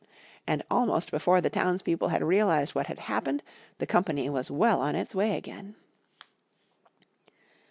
And almost before the townspeople had realised what had happened the company was well on its way again.